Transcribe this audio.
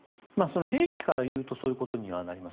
兵器からいうとそういうことになります。